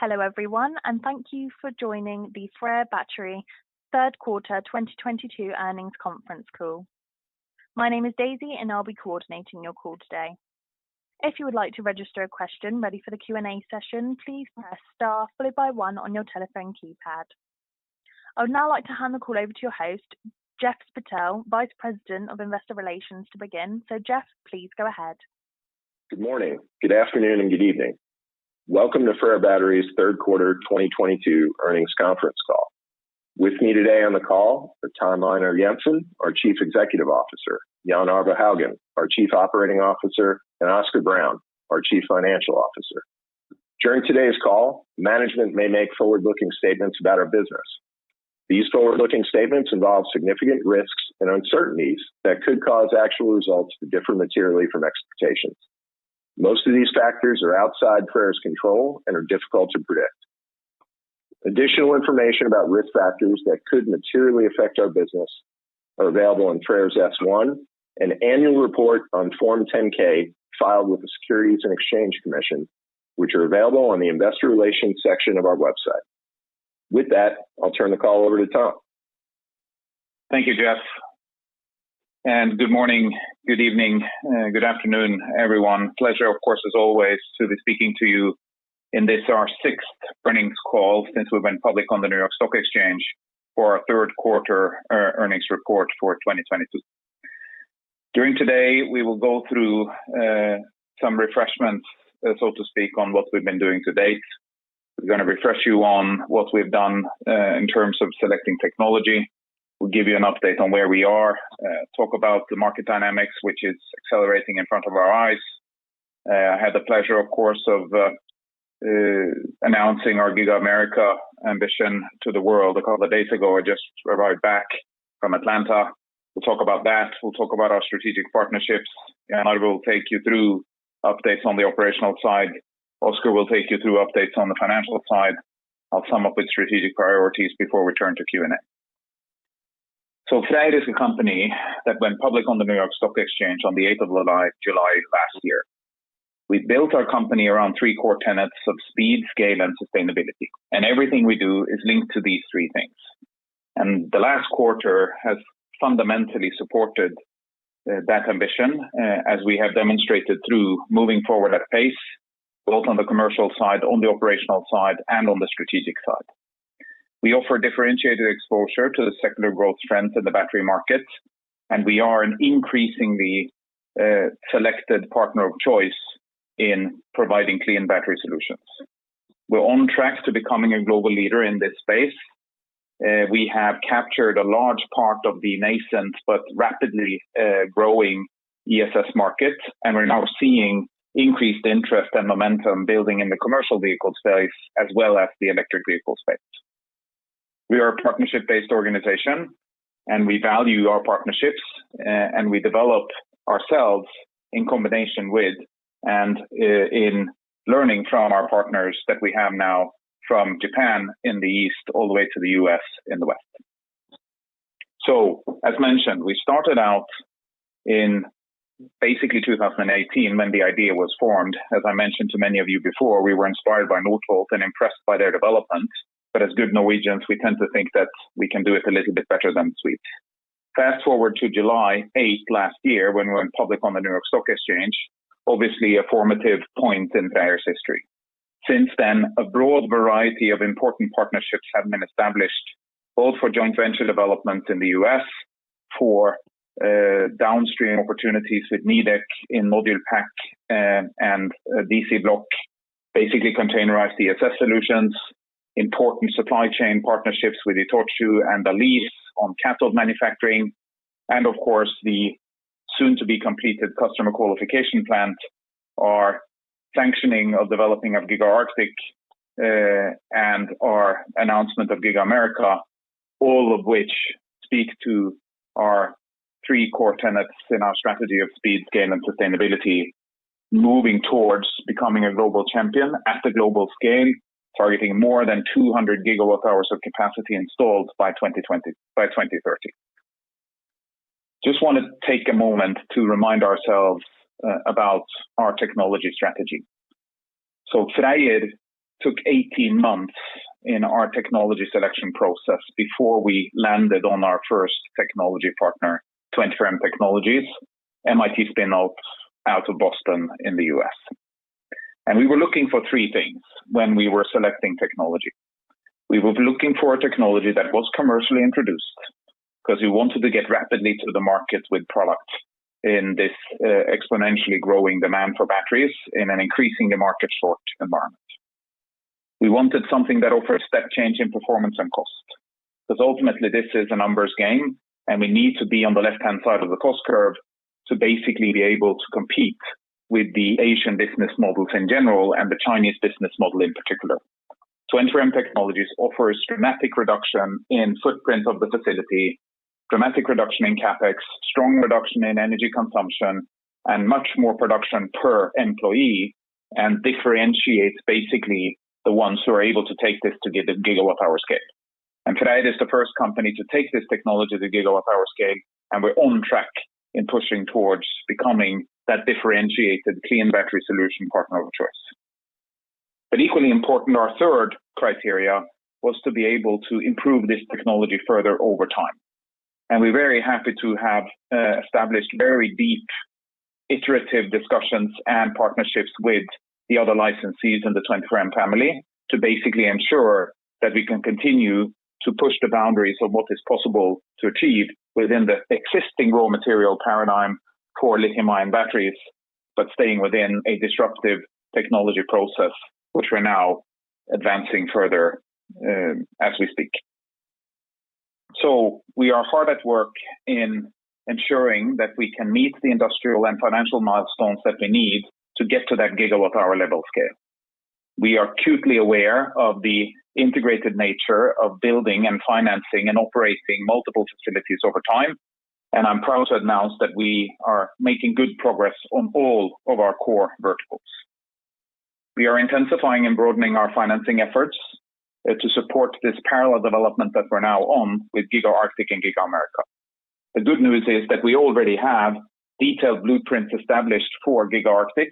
Hello, everyone, and thank you for joining the FREYR Battery third quarter 2022 earnings conference call. My name is Daisy, and I'll be coordinating your call today. If you would like to register a question ready for the Q&A session, please press Star followed by one on your telephone keypad. I would now like to hand the call over to your host, Jeff Spittel, Vice President of Investor Relations, to begin. Jeff, please go ahead. Good morning, good afternoon, and good evening. Welcome to FREYR Battery's third quarter 2022 earnings conference call. With me today on the call are Tom Einar Jensen, our Chief Executive Officer, Jan Arve Haugan, our Chief Operating Officer, and Oscar Brown, our Chief Financial Officer. During today's call, management may make forward-looking statements about our business. These forward-looking statements involve significant risks and uncertainties that could cause actual results to differ materially from expectations. Most of these factors are outside FREYR's control and are difficult to predict. Additional information about risk factors that could materially affect our business are available in FREYR's S-1 and Annual Report on Form 10-K filed with the Securities and Exchange Commission, which are available on the investor relations section of our website. With that, I'll turn the call over to Tom. Thank you, Jeff. Good morning, good evening, good afternoon, everyone. Pleasure, of course, as always to be speaking to you in this our sixth earnings call since we've been public on the New York Stock Exchange for our third quarter earnings report for 2022. Today, we will go through some refreshers, so to speak, on what we've been doing to date. We're gonna refresh you on what we've done in terms of selecting technology. We'll give you an update on where we are, talk about the market dynamics, which is accelerating in front of our eyes. I had the pleasure, of course, of announcing our Giga America ambition to the world a couple of days ago. I just arrived back from Atlanta. We'll talk about that. We'll talk about our strategic partnerships. Jan Arve will take you through updates on the operational side. Oscar will take you through updates on the financial side. I'll sum up with strategic priorities before we turn to Q&A. FREYR is a company that went public on the New York Stock Exchange on the eighth of July last year. We built our company around three core tenets of speed, scale, and sustainability, and everything we do is linked to these three things. The last quarter has fundamentally supported that ambition as we have demonstrated through moving forward at pace, both on the commercial side, on the operational side, and on the strategic side. We offer differentiated exposure to the secular growth trends in the battery market, and we are an increasingly selected partner of choice in providing clean battery solutions. We're on track to becoming a global leader in this space. We have captured a large part of the nascent but rapidly growing ESS market, and we're now seeing increased interest and momentum building in the commercial vehicle space as well as the electric vehicle space. We are a partnership-based organization, and we value our partnerships, and we develop ourselves in combination with and in learning from our partners that we have now from Japan in the East all the way to the U.S. in the West. As mentioned, we started out in basically 2018 when the idea was formed. As I mentioned to many of you before, we were inspired by Northvolt and impressed by their development. As good Norwegians, we tend to think that we can do it a little bit better than Swedes. Fast-forward to July 8 last year when we went public on the New York Stock Exchange, obviously a formative point in FREYR's history. Since then, a broad variety of important partnerships have been established, both for joint venture development in the U.S. for downstream opportunities with Nidec in module pack and DC Block, basically containerized ESS solutions, important supply chain partnerships with ITOCHU and Aleees on cathode manufacturing, and of course, the soon-to-be completed customer qualification plant, our sanctioning of development of Giga Arctic and our announcement of Giga America, all of which speak to our three core tenets in our strategy of speed, scale, and sustainability, moving towards becoming a global champion at a global scale, targeting more than 200 gigawatt hours of capacity installed by 2030. Just wanna take a moment to remind ourselves about our technology strategy. FREYR took 18 months in our technology selection process before we landed on our first technology partner, 24M Technologies, MIT spin-out of Boston in the U.S. We were looking for three things when we were selecting technology. We were looking for a technology that was commercially introduced because we wanted to get rapidly to the market with product in this exponentially growing demand for batteries in an increasingly market short environment. We wanted something that offers step change in performance and cost 'cause ultimately this is a numbers game, and we need to be on the left-hand side of the cost curve to basically be able to compete with the Asian business models in general and the Chinese business model in particular. 24M Technologies offers dramatic reduction in footprint of the facility, dramatic reduction in CapEx, strong reduction in energy consumption, and much more production per employee, and differentiates basically the ones who are able to take this to get a gigawatt hour scale. FREYR is the first company to take this technology to gigawatt hour scale, and we're on track in pushing towards becoming that differentiated clean battery solution partner of choice. Equally important, our third criteria was to be able to improve this technology further over time. We're very happy to have established very deep iterative discussions and partnerships with the other licensees in the 24M family to basically ensure that we can continue to push the boundaries of what is possible to achieve within the existing raw material paradigm for lithium-ion batteries, but staying within a disruptive technology process, which we're now advancing further as we speak. We are hard at work in ensuring that we can meet the industrial and financial milestones that we need to get to that gigawatt power level scale. We are acutely aware of the integrated nature of building and financing and operating multiple facilities over time, and I'm proud to announce that we are making good progress on all of our core verticals. We are intensifying and broadening our financing efforts to support this parallel development that we're now on with Giga Arctic and Giga America. The good news is that we already have detailed blueprints established for Giga Arctic,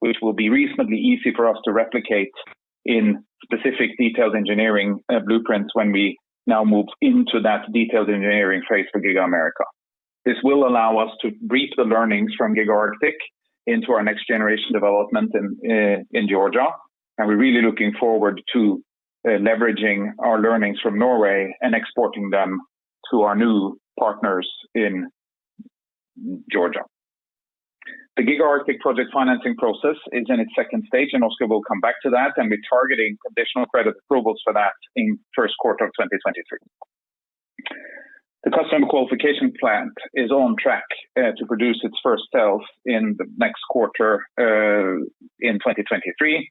which will be reasonably easy for us to replicate in specific detailed engineering blueprints when we now move into that detailed engineering phase for Giga America. This will allow us to reap the learnings from Giga Arctic into our next generation development in Georgia, and we're really looking forward to leveraging our learnings from Norway and exporting them to our new partners in Georgia. The Giga Arctic project financing process is in its second stage, and Oscar will come back to that, and we're targeting conditional credit approvals for that in first quarter of 2023. The customer qualification plant is on track to produce its first cells in the next quarter in 2023,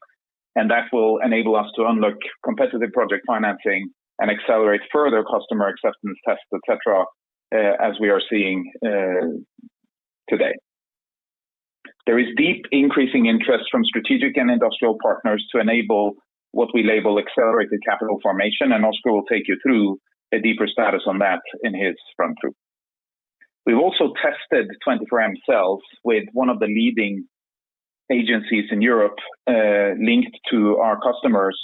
and that will enable us to unlock competitive project financing and accelerate further customer acceptance tests, et cetera, as we are seeing today. There is deep increasing interest from strategic and industrial partners to enable what we label accelerated capital formation, and Oscar will take you through a deeper status on that in his run-through. We've also tested 24M cells with one of the leading agencies in Europe linked to our customers,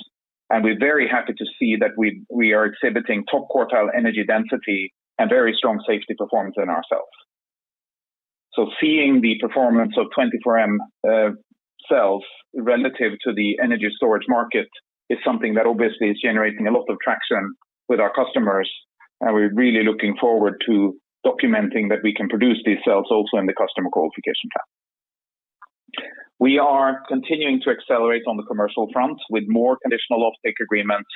and we're very happy to see that we are exhibiting top quartile energy density and very strong safety performance in our cells. Seeing the performance of 24M cells relative to the energy storage market is something that obviously is generating a lot of traction with our customers, and we're really looking forward to documenting that we can produce these cells also in the customer qualification plant. We are continuing to accelerate on the commercial front with more conditional off-take agreements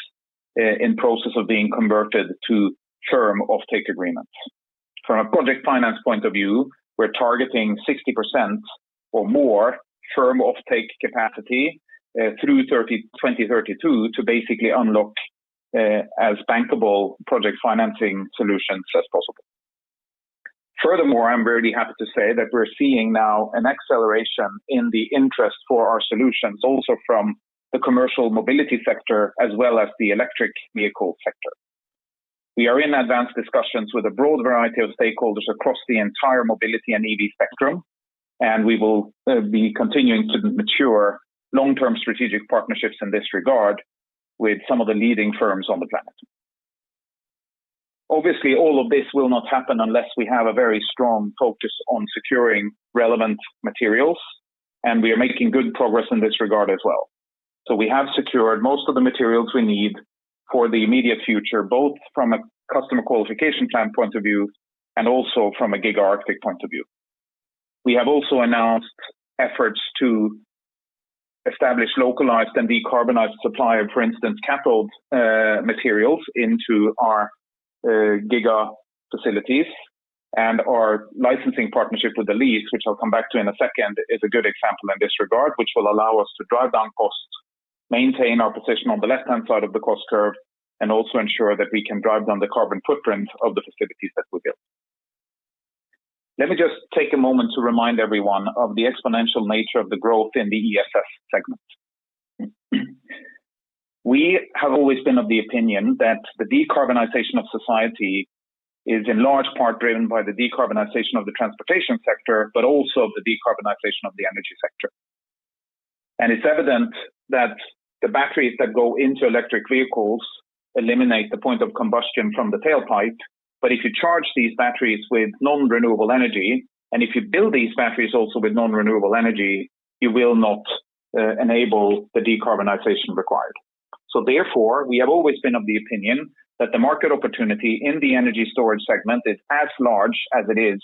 in process of being converted to firm off-take agreements. From a project finance point of view, we're targeting 60% or more firm off-take capacity through 2032 to basically unlock as bankable project financing solutions as possible. Furthermore, I'm very happy to say that we're seeing now an acceleration in the interest for our solutions also from the commercial mobility sector as well as the electric vehicle sector. We are in advanced discussions with a broad variety of stakeholders across the entire mobility and EV spectrum, and we will be continuing to mature long-term strategic partnerships in this regard with some of the leading firms on the planet. Obviously, all of this will not happen unless we have a very strong focus on securing relevant materials, and we are making good progress in this regard as well. We have secured most of the materials we need for the immediate future, both from a customer qualification plant point of view and also from a Giga Arctic point of view. We have also announced efforts to establish localized and decarbonized supply of, for instance, cathode, materials into our, giga facilities and our licensing partnership with Aleees, which I'll come back to in a second, is a good example in this regard, which will allow us to drive down costs, maintain our position on the left-hand side of the cost curve, and also ensure that we can drive down the carbon footprint of the facilities that we build. Let me just take a moment to remind everyone of the exponential nature of the growth in the ESS segment. We have always been of the opinion that the decarbonization of society is in large part driven by the decarbonization of the transportation sector, but also the decarbonization of the energy sector. It's evident that the batteries that go into electric vehicles eliminate the point of combustion from the tailpipe, but if you charge these batteries with non-renewable energy, and if you build these batteries also with non-renewable energy, you will not enable the decarbonization required. Therefore, we have always been of the opinion that the market opportunity in the energy storage segment is as large as it is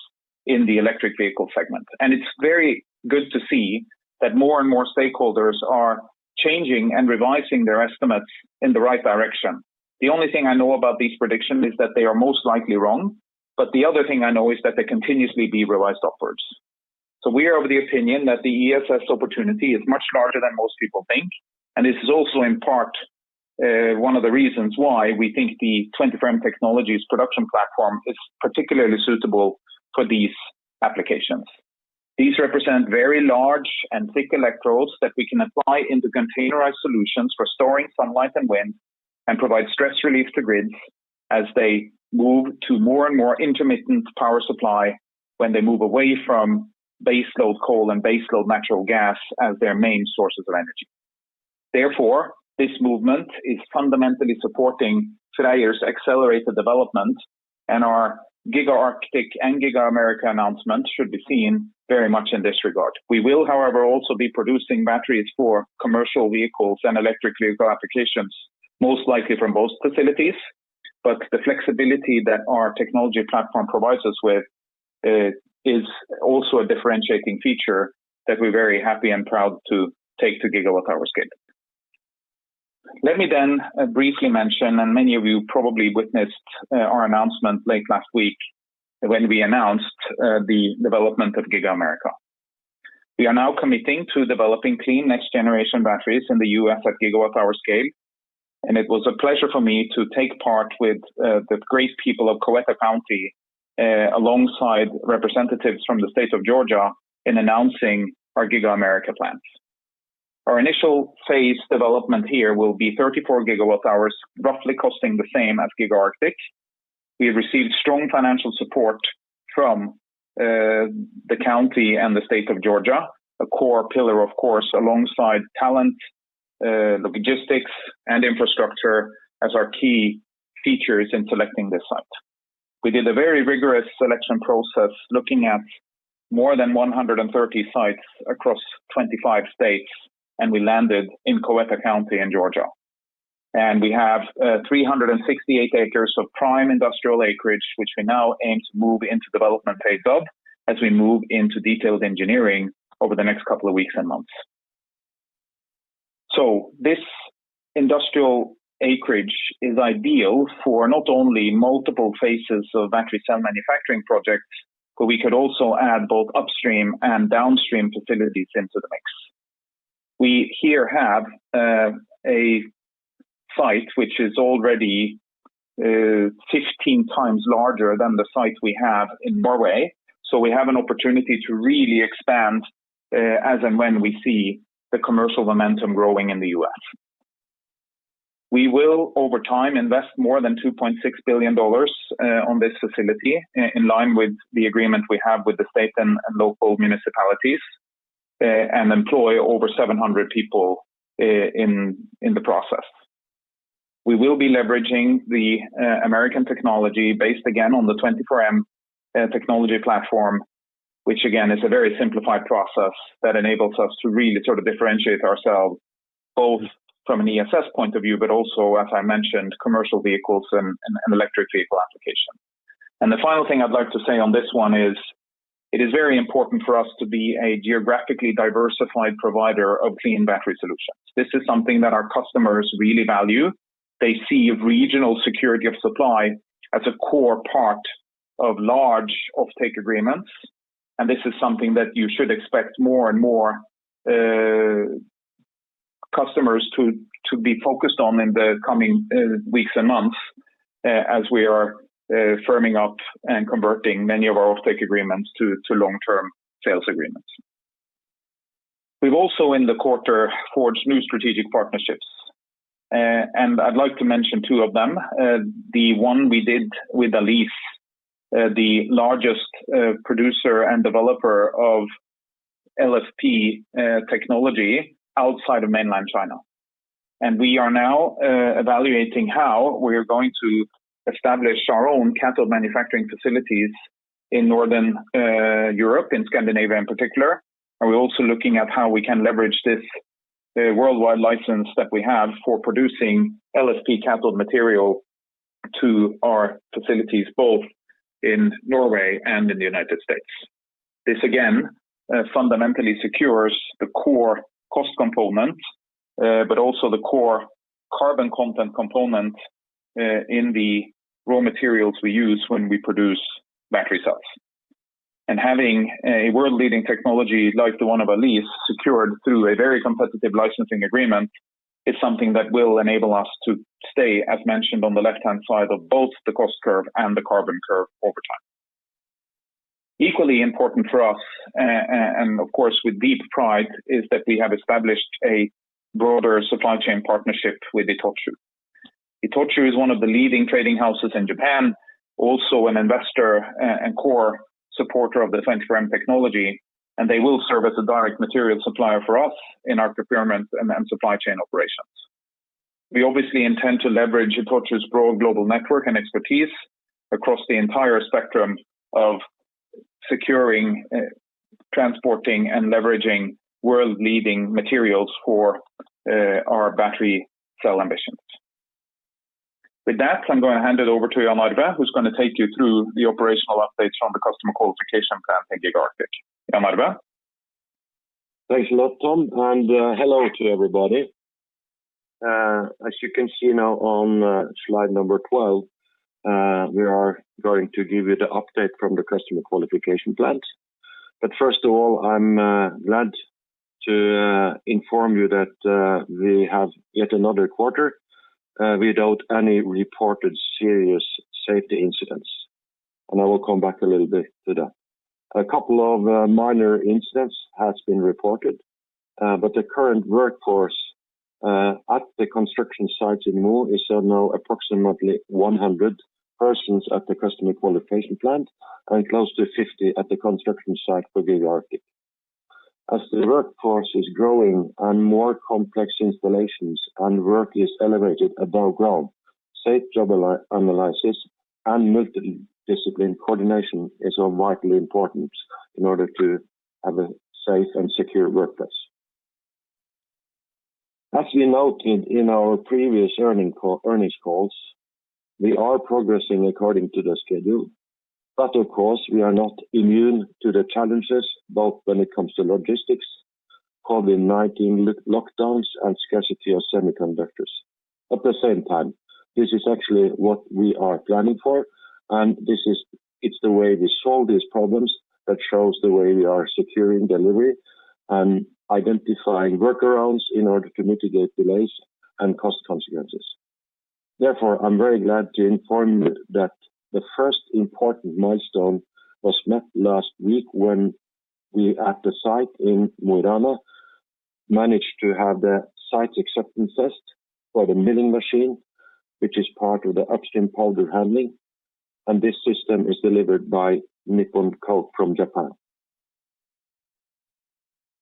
in the electric vehicle segment. It's very good to see that more and more stakeholders are changing and revising their estimates in the right direction. The only thing I know about these predictions is that they are most likely wrong, but the other thing I know is that they continuously be revised upwards. We are of the opinion that the ESS opportunity is much larger than most people think, and this is also in part, one of the reasons why we think the 24M Technologies production platform is particularly suitable for these applications. These represent very large and thick electrodes that we can apply into containerized solutions for storing sunlight and wind and provide stress relief to grids as they move to more and more intermittent power supply when they move away from baseload coal and baseload natural gas as their main sources of energy. Therefore, this movement is fundamentally supporting FREYR's accelerated development, and our Giga Arctic and Giga America announcement should be seen very much in this regard. We will, however, also be producing batteries for commercial vehicles and electric vehicle applications, most likely from both facilities. The flexibility that our technology platform provides us with is also a differentiating feature that we're very happy and proud to take to gigawatt-hour scale. Let me then briefly mention, and many of you probably witnessed, our announcement late last week when we announced the development of Giga America. We are now committing to developing clean next generation batteries in the U.S. at gigawatt-hour scale. It was a pleasure for me to take part with the great people of Coweta County, alongside representatives from the state of Georgia in announcing our Giga America plans. Our initial phase development here will be 34 GWh, roughly costing the same as Giga Arctic. We have received strong financial support from, the county and the state of Georgia, a core pillar, of course, alongside talent, the logistics and infrastructure as our key features in selecting this site. We did a very rigorous selection process looking at more than 130 sites across 25 states, and we landed in Coweta County in Georgia. We have 368 acres of prime industrial acreage, which we now aim to move into development phase of as we move into detailed engineering over the next couple of weeks and months. This industrial acreage is ideal for not only multiple phases of battery cell manufacturing projects, but we could also add both upstream and downstream facilities into the mix. We here have a site which is already 15 times larger than the site we have in Norway, so we have an opportunity to really expand as and when we see the commercial momentum growing in the U.S. We will, over time, invest more than $2.6 billion on this facility in line with the agreement we have with the state and local municipalities and employ over 700 people in the process. We will be leveraging the American technology based, again, on the 24M technology platform, which again is a very simplified process that enables us to really sort of differentiate ourselves both from an ESS point of view, but also, as I mentioned, commercial vehicles and electric vehicle application. The final thing I'd like to say on this one is it is very important for us to be a geographically diversified provider of clean battery solutions. This is something that our customers really value. They see regional security of supply as a core part of large offtake agreements, and this is something that you should expect more and more customers to be focused on in the coming weeks and months as we are firming up and converting many of our offtake agreements to long-term sales agreements. We've also in the quarter forged new strategic partnerships. I'd like to mention two of them. The one we did with Aleees, the largest producer and developer of LFP technology outside of mainland China. We are now evaluating how we are going to establish our own cathode manufacturing facilities in Northern Europe, in Scandinavia in particular. We're also looking at how we can leverage this worldwide license that we have for producing LFP cathode material to our facilities both in Norway and in the United States. This again fundamentally secures the core cost component, but also the core carbon content component, in the raw materials we use when we produce battery cells. Having a world-leading technology like the one of Aleees secured through a very competitive licensing agreement is something that will enable us to stay, as mentioned on the left-hand side, of both the cost curve and the carbon curve over time. Equally important for us, and of course with deep pride, is that we have established a broader supply chain partnership with ITOCHU. ITOCHU is one of the leading trading houses in Japan, also an investor and core supporter of the 24M technology, and they will serve as a direct material supplier for us in our procurement and supply chain operations. We obviously intend to leverage ITOCHU's broad global network and expertise across the entire spectrum of securing, transporting, and leveraging world-leading materials for our battery cell ambitions. With that, I'm gonna hand it over to Jan Arve, who's gonna take you through the operational updates from the customer qualification plan in Giga Arctic. Jan Arve. Thanks a lot, Tom, and hello to everybody. As you can see now on slide number 12, we are going to give you the update from the customer qualification plant. First of all, I'm glad to inform you that we have yet another quarter without any reported serious safety incidents, and I will come back a little bit to that. A couple of minor incidents has been reported, but the current workforce at the construction site in Mo is our now approximately 100 persons at the customer qualification plant and close to 50 at the construction site for Giga Arctic. As the workforce is growing and more complex installations and work is elevated above ground, safe job analysis and multi-discipline coordination is of vitally important in order to have a safe and secure workplace. As we noted in our previous earnings calls, we are progressing according to the schedule, but of course, we are not immune to the challenges, both when it comes to logistics, COVID-19 lockdowns, and scarcity of semiconductors. At the same time, this is actually what we are planning for, and it's the way we solve these problems that shows the way we are securing delivery and identifying workarounds in order to mitigate delays and cost consequences. Therefore, I'm very glad to inform you that the first important milestone was met last week when we, at the site in Mo i Rana, managed to have the site acceptance test for the milling machine, which is part of the upstream powder handling, and this system is delivered by Nippon Coke & Engineering from Japan.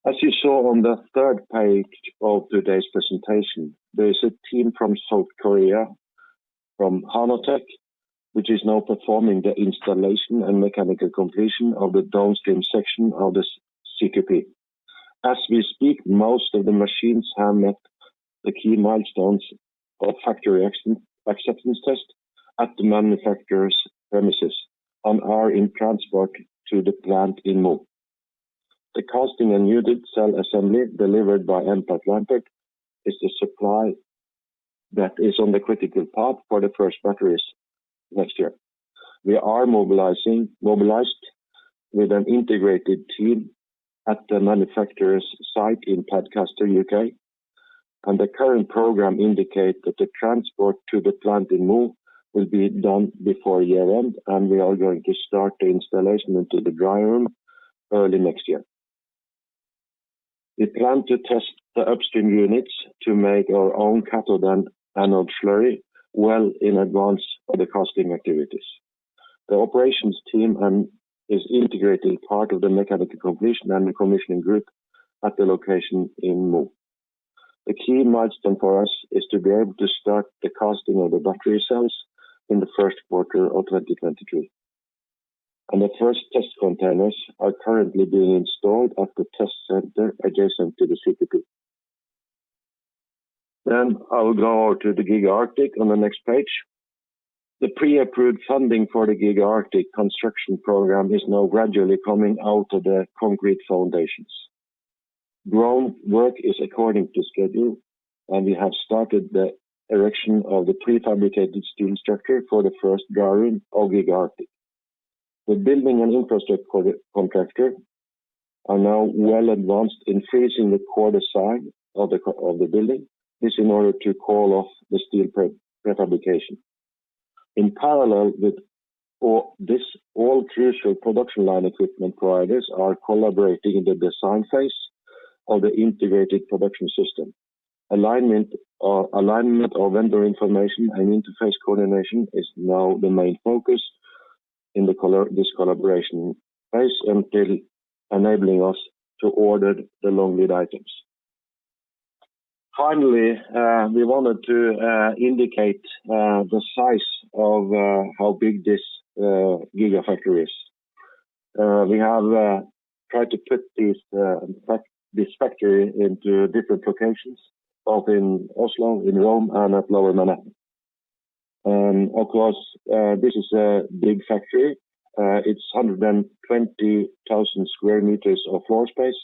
As you saw on the third page of today's presentation, there is a team from South Korea, from Hanwha Corporation, which is now performing the installation and mechanical completion of the downstream section of this CQP. As we speak, most of the machines have met the key milestones of factory acceptance test at the manufacturer's premises and are in transport to the plant in Mo. The casting and unit cell assembly delivered by Mpac Group is the supply that is on the critical path for the first batteries next year. We are mobilized with an integrated team at the manufacturer's site in Tadcaster, U.K., and the current program indicates that the transport to the plant in Mo will be done before year-end, and we are going to start the installation into the dry room early next year. We plan to test the upstream units to make our own cathode and anode slurry well in advance of the casting activities. The operations team is integrating part of the mechanical completion and the commissioning group at the location in Mo i Rana. The key milestone for us is to be able to start the casting of the battery cells in the first quarter of 2023, and the first test containers are currently being installed at the test center adjacent to the CQP. I will go over to the Giga Arctic on the next page. The pre-approved funding for the Giga Arctic construction program is now gradually coming out of the concrete foundations. Groundwork is according to schedule, and we have started the erection of the prefabricated steel structure for the first dry room of Giga Arctic. The building and infrastructure co-contractor are now well advanced in finishing the core design of the building. This in order to call off the steel prefabrication. In parallel with all this, all crucial production line equipment providers are collaborating in the design phase of the integrated production system. Alignment of vendor information and interface coordination is now the main focus in this collaboration phase until enabling us to order the long lead items. Finally, we wanted to indicate the size of how big this gigafactory is. We have tried to put this factory into different locations, both in Oslo, in Rome and at Lower Manhattan. Of course, this is a big factory. It's 120,000 sqm of floor space,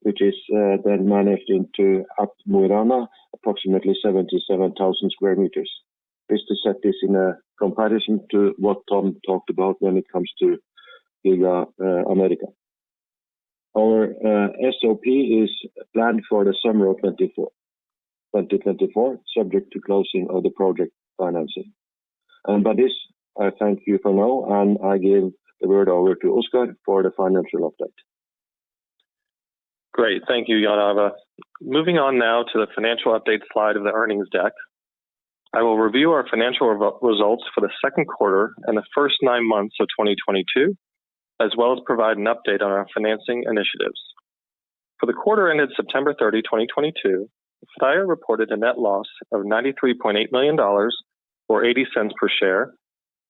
which is then amounting to at Mo i Rana, approximately 77,000 sqm. To set this in a comparison to what Tom talked about when it comes to Giga Arctic. Our SOP is planned for the summer of 2024, subject to closing of the project financing. By this, I thank you for now, and I give the word over to Oscar for the financial update. Great. Thank you, Jan Arve. Moving on now to the financial update slide of the earnings deck, I will review our financial results for the second quarter and the first nine months of 2022, as well as provide an update on our financing initiatives. For the quarter ended September 30, 2022, FREYR reported a net loss of $93.8 million or $0.80 per share,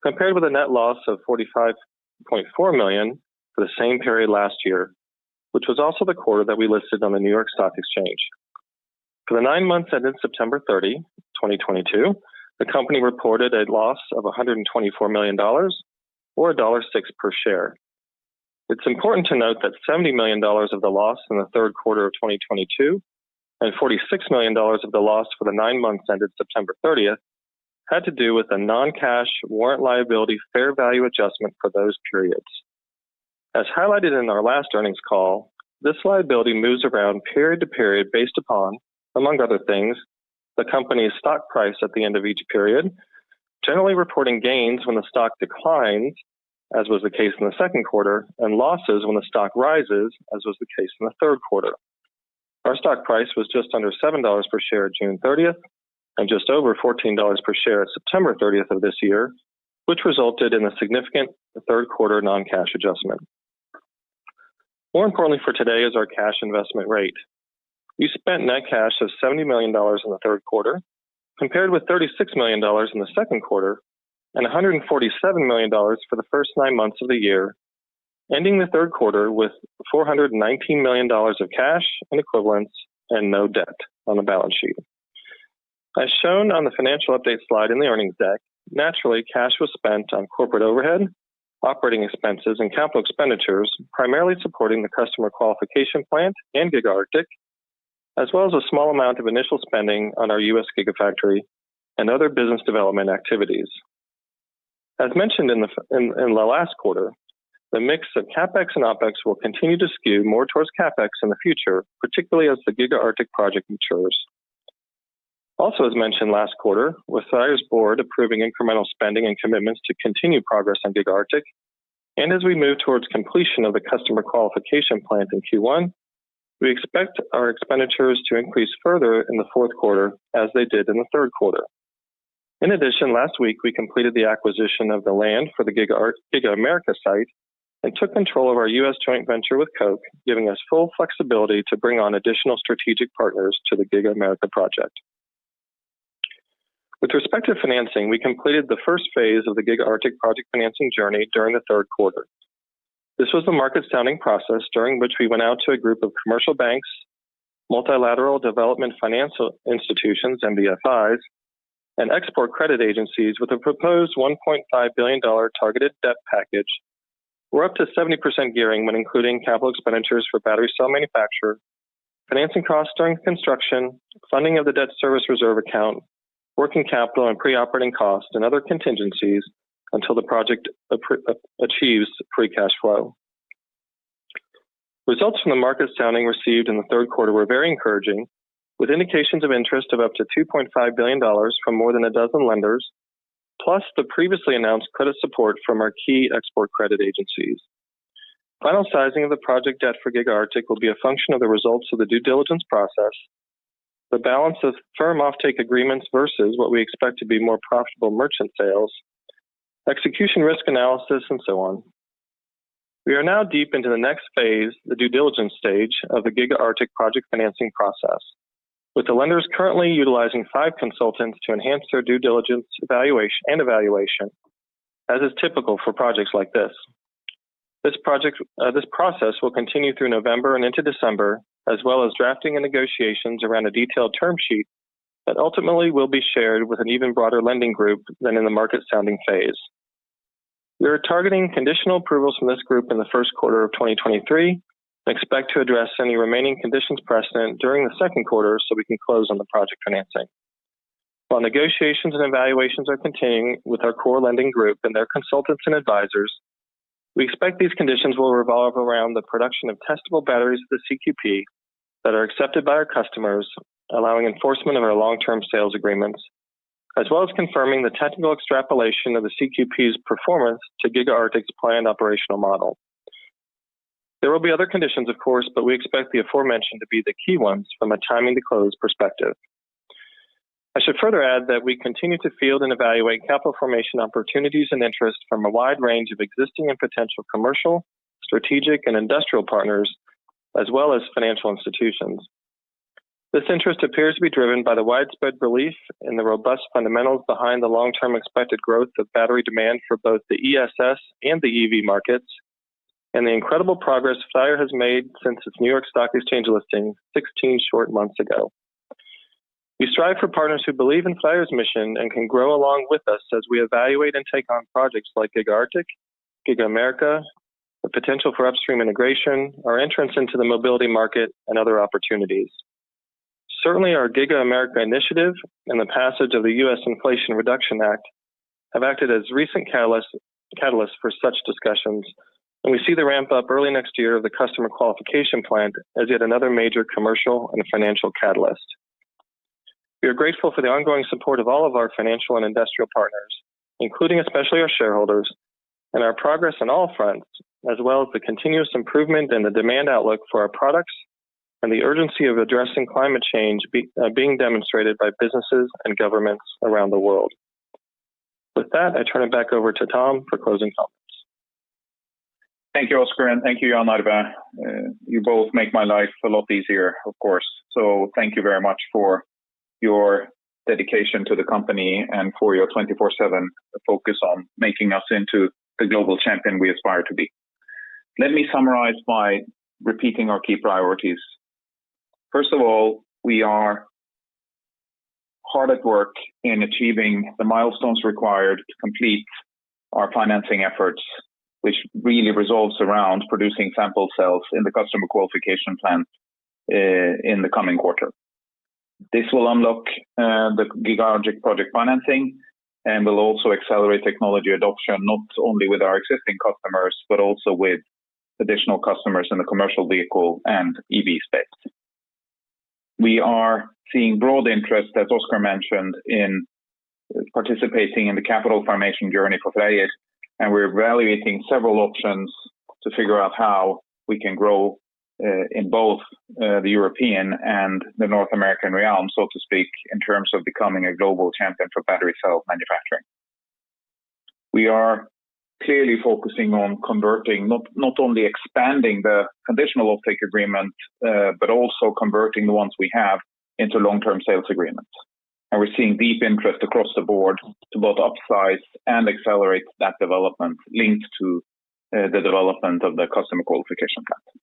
compared with a net loss of $45.4 million for the same period last year, which was also the quarter that we listed on the New York Stock Exchange. For the nine months ended September 30, 2022, the company reported a loss of $124 million or $1.06 per share. It's important to note that $70 million of the loss in the third quarter of 2022 and $46 million of the loss for the nine months ended September 30th had to do with a non-cash warrant liability fair value adjustment for those periods. As highlighted in our last earnings call, this liability moves around period to period based upon, among other things, the company's stock price at the end of each period, generally reporting gains when the stock declines, as was the case in the second quarter, and losses when the stock rises, as was the case in the third quarter. Our stock price was just under $7 per share at June 30th and just over $14 per share at September 30th of this year, which resulted in a significant third quarter non-cash adjustment. More importantly for today is our cash investment rate. We spent net cash of $70 million in the third quarter, compared with $36 million in the second quarter and $147 million for the first nine months of the year, ending the third quarter with $419 million of cash and equivalents and no debt on the balance sheet. As shown on the financial update slide in the earnings deck, naturally, cash was spent on corporate overhead, operating expenses, and capital expenditures, primarily supporting the customer qualification plant and Giga Arctic, as well as a small amount of initial spending on our U.S. Gigafactory and other business development activities. As mentioned in the last quarter, the mix of CapEx and OpEx will continue to skew more towards CapEx in the future, particularly as the Giga Arctic project matures. As mentioned last quarter, with FREYR's board approving incremental spending and commitments to continue progress on Giga Arctic, and as we move towards completion of the customer qualification plant in Q1, we expect our expenditures to increase further in the fourth quarter, as they did in the third quarter. In addition, last week we completed the acquisition of the land for the Giga America site and took control of our U.S. joint venture with Koch, giving us full flexibility to bring on additional strategic partners to the Giga America project. With respect to financing, we completed the first phase of the Giga Arctic project financing journey during the third quarter. This was the market sounding process during which we went out to a group of commercial banks, multilateral development financial institutions, DFIs, and export credit agencies with a proposed $1.5 billion targeted debt package. We're up to 70% gearing when including capital expenditures for battery cell manufacture, financing costs during construction, funding of the debt service reserve account, working capital and pre-operating costs, and other contingencies until the project achieves free cash flow. Results from the market sounding received in the third quarter were very encouraging, with indications of interest of up to $2.5 billion from more than a dozen lenders, plus the previously announced credit support from our key export credit agencies. Final sizing of the project debt for Giga Arctic will be a function of the results of the due diligence process, the balance of firm offtake agreements versus what we expect to be more profitable merchant sales, execution risk analysis, and so on. We are now deep into the next phase, the due diligence stage, of the Giga Arctic project financing process, with the lenders currently utilizing five consultants to enhance their due diligence evaluation, as is typical for projects like this. This project, this process will continue through November and into December, as well as drafting and negotiations around a detailed term sheet that ultimately will be shared with an even broader lending group than in the market sounding phase. We are targeting conditional approvals from this group in the first quarter of 2023 and expect to address any remaining conditions precedent during the second quarter so we can close on the project financing. While negotiations and evaluations are continuing with our core lending group and their consultants and advisors, we expect these conditions will revolve around the production of testable batteries at the CQP that are accepted by our customers, allowing enforcement of our long-term sales agreements, as well as confirming the technical extrapolation of the CQP's performance to Giga Arctic's planned operational model. There will be other conditions, of course, but we expect the aforementioned to be the key ones from a timing to close perspective. I should further add that we continue to field and evaluate capital formation opportunities and interest from a wide range of existing and potential commercial, strategic, and industrial partners, as well as financial institutions. This interest appears to be driven by the widespread belief in the robust fundamentals behind the long-term expected growth of battery demand for both the ESS and the EV markets, and the incredible progress FREYR has made since its New York Stock Exchange listing 16 short months ago. We strive for partners who believe in FREYR's mission and can grow along with us as we evaluate and take on projects like Giga Arctic, Giga America, the potential for upstream integration, our entrance into the mobility market, and other opportunities. Certainly, our Giga America initiative and the passage of the U.S. Inflation Reduction Act have acted as recent catalysts for such discussions, and we see the ramp up early next year of the customer qualification plant as yet another major commercial and financial catalyst. We are grateful for the ongoing support of all of our financial and industrial partners, including especially our shareholders, and our progress on all fronts, as well as the continuous improvement in the demand outlook for our products and the urgency of addressing climate change being demonstrated by businesses and governments around the world. With that, I turn it back over to Tom for closing comments. Thank you, Oscar, and thank you, Jan Arve. You both make my life a lot easier, of course. Thank you very much for your dedication to the company and for your 24/7 focus on making us into the global champion we aspire to be. Let me summarize by repeating our key priorities. First of all, we are hard at work in achieving the milestones required to complete our financing efforts, which really revolves around producing sample cells in the customer qualification plant in the coming quarter. This will unlock the Giga Arctic project financing and will also accelerate technology adoption, not only with our existing customers, but also with additional customers in the commercial vehicle and EV space. We are seeing broad interest, as Oscar mentioned, in participating in the capital formation journey for FREYR, and we're evaluating several options to figure out how we can grow, in both, the European and the North American realm, so to speak, in terms of becoming a global champion for battery cell manufacturing. We are clearly focusing on converting, not only expanding the conditional offtake agreement, but also converting the ones we have into long-term sales agreements. We're seeing deep interest across the board to both upsize and accelerate that development linked to, the development of the customer qualification plan.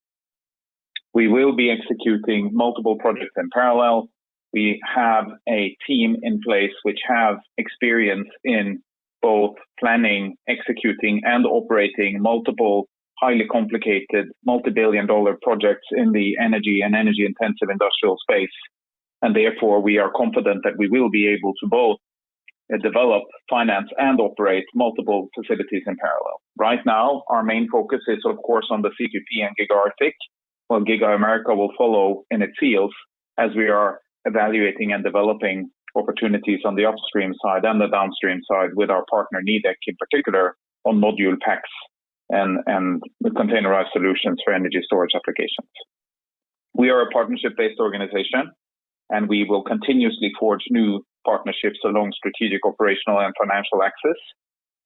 We will be executing multiple projects in parallel. We have a team in place which have experience in both planning, executing, and operating multiple highly complicated multi-billion dollar projects in the energy and energy intensive industrial space. Therefore, we are confident that we will be able to both develop, finance, and operate multiple facilities in parallel. Right now, our main focus is, of course, on the CQP and Giga Arctic, while Giga America will follow on its heels as we are evaluating and developing opportunities on the upstream side and the downstream side with our partner, Nidec, in particular on module packs and the containerized solutions for energy storage applications. We are a partnership-based organization, and we will continuously forge new partnerships along strategic, operational, and financial access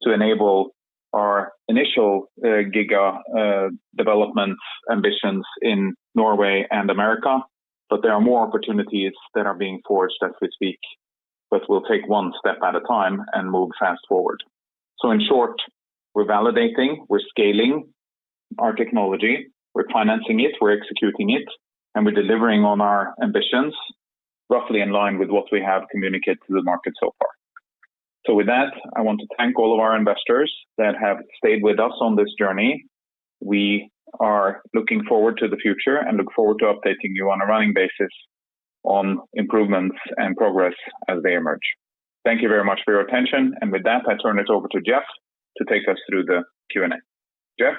to enable our initial giga development ambitions in Norway and America. But there are more opportunities that are being forged as we speak, but we'll take one step at a time and move fast-forward. In short, we're validating, we're scaling our technology, we're financing it, we're executing it, and we're delivering on our ambitions, roughly in line with what we have communicated to the market so far. With that, I want to thank all of our investors that have stayed with us on this journey. We are looking forward to the future and look forward to updating you on a rolling basis on improvements and progress as they emerge. Thank you very much for your attention. With that, I turn it over to Jeff to take us through the Q&A. Jeff?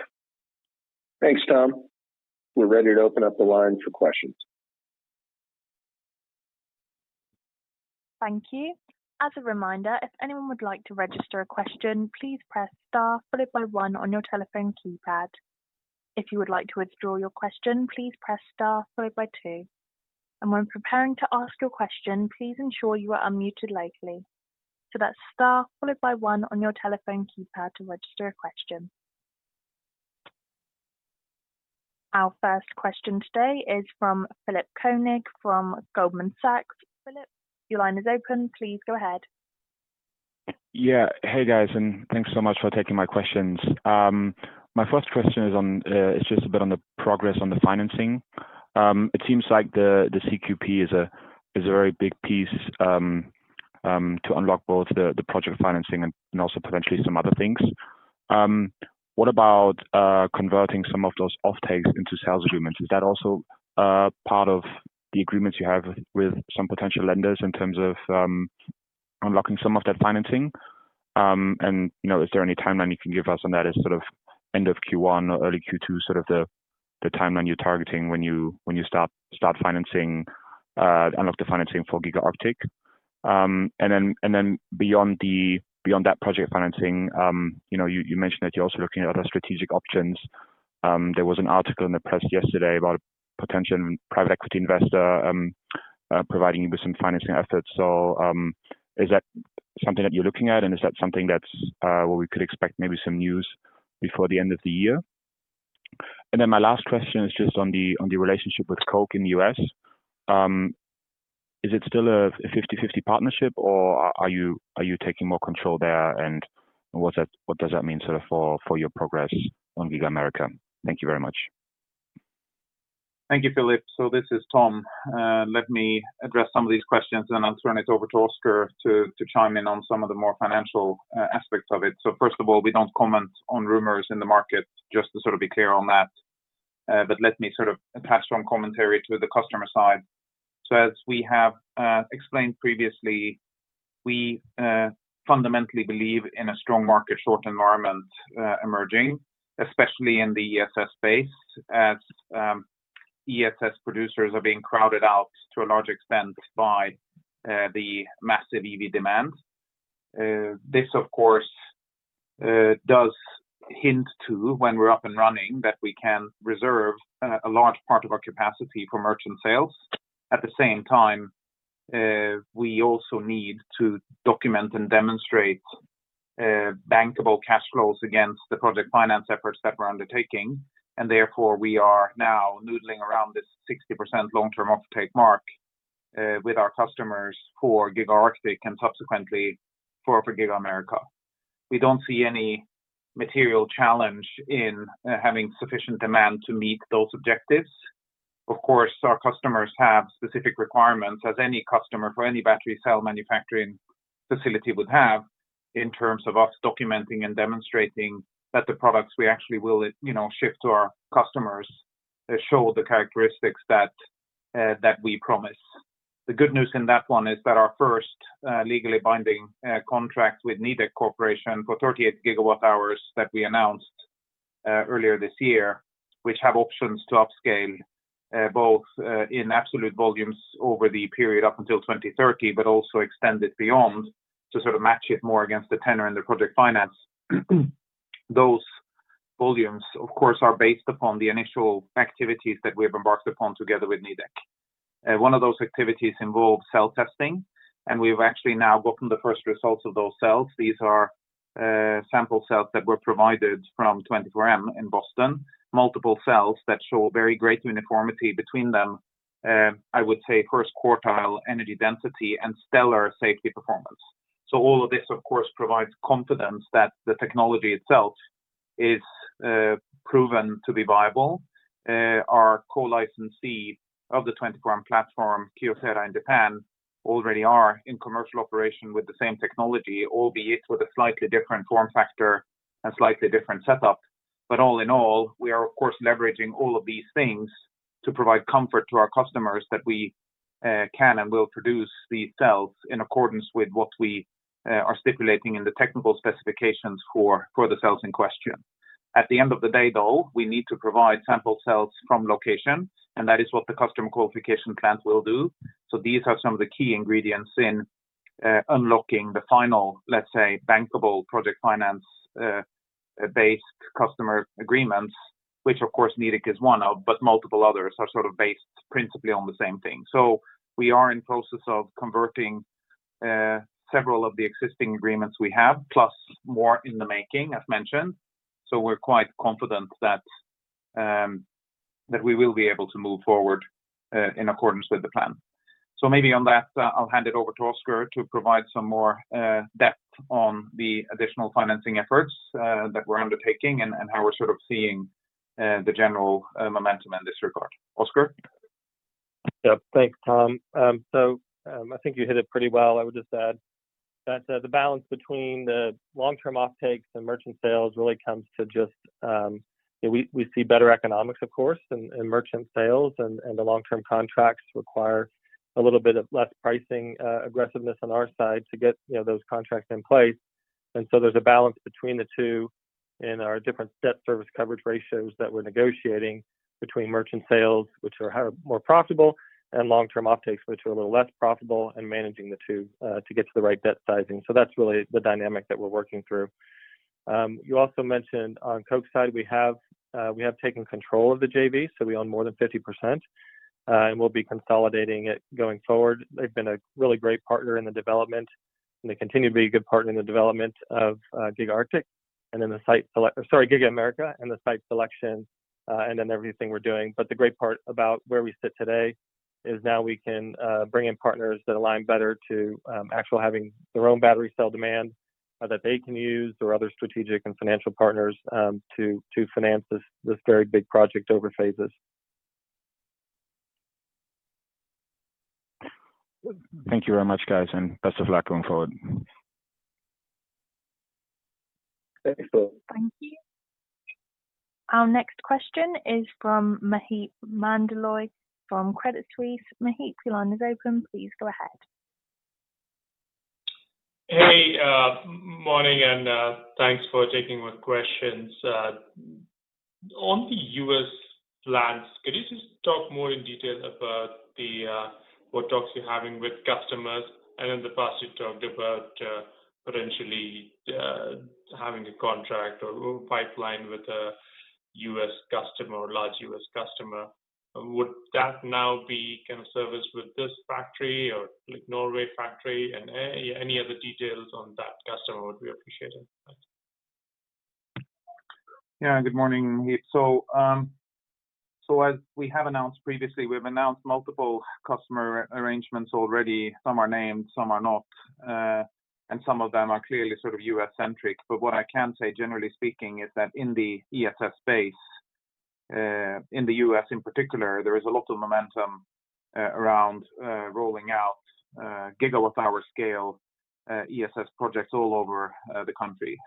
Thanks, Tom. We're ready to open up the line for questions. Thank you. As a reminder, if anyone would like to register a question, please press star followed by one on your telephone keypad. If you would like to withdraw your question, please press star followed by two. When preparing to ask your question, please ensure you are unmuted locally. That's star followed by one on your telephone keypad to register a question. Our first question today is from Philipp Koenig from Goldman Sachs. Philipp, your line is open. Please go ahead. Yeah. Hey, guys, and thanks so much for taking my questions. My first question is on is just a bit on the progress on the financing. It seems like the CQP is a very big piece to unlock both the project financing and also potentially some other things. What about converting some of those offtakes into sales agreements? Is that also part of the agreements you have with some potential lenders in terms of unlocking some of that financing? You know, is there any timeline you can give us on that as sort of end of Q1 or early Q2 sort of the timeline you're targeting when you start financing unlock the financing for Giga Arctic? Beyond that project financing, you know, you mentioned that you're also looking at other strategic options. There was an article in the press yesterday about a potential private equity investor providing you with some financing efforts. Is that something that you're looking at, and is that something that's where we could expect maybe some news before the end of the year? My last question is just on the relationship with Koch in the U.S. Is it still a 50/50 partnership or are you taking more control there? And what does that mean sort of for your progress on Giga America? Thank you very much. Thank you, Philipp. This is Tom. Let me address some of these questions, and I'll turn it over to Oscar to chime in on some of the more financial aspects of it. First of all, we don't comment on rumors in the market, just to sort of be clear on that. Let me sort of attach some commentary to the customer side. As we have explained previously, we fundamentally believe in a strong market short environment emerging, especially in the ESS space as ESS producers are being crowded out to a large extent by the massive EV demand. This of course does hint to when we're up and running, that we can reserve a large part of our capacity for merchant sales. At the same time, we also need to document and demonstrate bankable cash flows against the project finance efforts that we're undertaking, and therefore, we are now noodling around this 60% long-term offtake mark with our customers for Giga Arctic and subsequently for Giga America. We don't see any material challenge in having sufficient demand to meet those objectives. Of course, our customers have specific requirements, as any customer for any battery cell manufacturing facility would have, in terms of us documenting and demonstrating that the products we actually will, you know, ship to our customers show the characteristics that we promise. The good news in that one is that our first legally binding contract with Nidec Corporation for 38 GWh that we announced earlier this year, which have options to upscale both in absolute volumes over the period up until 2030, but also extend it beyond to sort of match it more against the tenor and the project finance. Those volumes, of course, are based upon the initial activities that we've embarked upon together with Nidec. One of those activities involves cell testing, and we've actually now gotten the first results of those cells. These are sample cells that were provided from 24M in Boston, multiple cells that show very great uniformity between them. I would say first quartile energy density and stellar safety performance. All of this, of course, provides confidence that the technology itself is proven to be viable. Our co-licensee of the 24M platform, Kyocera in Japan, already are in commercial operation with the same technology, albeit with a slightly different form factor and slightly different setup. All in all, we are, of course, leveraging all of these things to provide comfort to our customers that we can and will produce these cells in accordance with what we are stipulating in the technical specifications for the cells in question. At the end of the day, though, we need to provide sample cells from location, and that is what the customer qualification plans will do. These are some of the key ingredients in unlocking the final, let's say, bankable project finance based customer agreements, which of course Nidec is one of, but multiple others are sort of based principally on the same thing. We are in process of converting several of the existing agreements we have, plus more in the making, as mentioned. We're quite confident that we will be able to move forward in accordance with the plan. Maybe on that, I'll hand it over to Oscar to provide some more depth on the additional financing efforts that we're undertaking and how we're sort of seeing the general momentum in this regard. Oscar. Yeah. Thanks, Tom. I think you hit it pretty well. I would just add that the balance between the long-term offtakes and merchant sales really comes to just, you know we see better economics, of course, in merchant sales and the long-term contracts require a little bit of less pricing aggressiveness on our side to get, you know, those contracts in place. And so there's a balance between the two in our different debt service coverage ratios that we're negotiating between merchant sales, which are more profitable and long-term offtakes, which are a little less profitable, and managing the two to get to the right debt sizing. That's really the dynamic that we're working through. You also mentioned on Koch side we have taken control of the JV, so we own more than 50%, and we'll be consolidating it going forward. They've been a really great partner in the development, and they continue to be a good partner in the development of Giga Arctic and then Giga America and the site selection, and then everything we're doing. The great part about where we sit today is now we can bring in partners that align better to actual having their own battery cell demand that they can use or other strategic and financial partners to finance this very big project over phases. Thank you very much, guys, and best of luck going forward. Thank you. Thank you. Our next question is from Maheep Mandloi from Credit Suisse. Maheep, your line is open. Please go ahead. Hey, morning, and thanks for taking my questions. On the U.S. plans, could you just talk more in detail about what talks you're having with customers? In the past you talked about potentially having a contract or pipeline with a U.S. customer or large U.S. customer. Would that now be kind of serviced with this factory or like Norway factory? Any other details on that customer would be appreciated. Thanks. Yeah. Good morning, Maheep. As we have announced previously, we've announced multiple customer arrangements already. Some are named, some are not, and some of them are clearly sort of U.S.-centric. What I can say, generally speaking, is that in the ESS space, in the U.S. in particular, there is a lot of momentum around rolling out gigawatt hour scale ESS projects all over the country.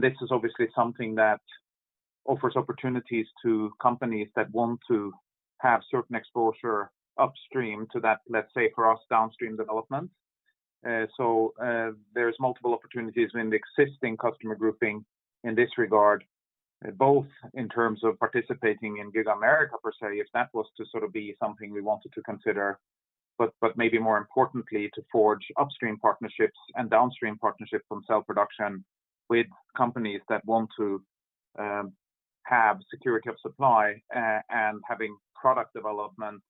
This is obviously something that offers opportunities to companies that want to have certain exposure upstream to that, let's say for us, downstream development. There's multiple opportunities in the existing customer grouping in this regard, both in terms of participating in Giga America per se, if that was to sort of be something we wanted to consider. Maybe more importantly, to forge upstream partnerships and downstream partnerships on cell production with companies that want to have security of supply and having product development